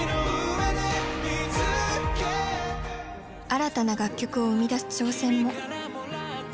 新たな楽曲を生みだす挑戦も。